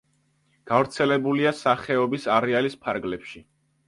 გავრცელებულია სახეობის არეალის ფარგლებში.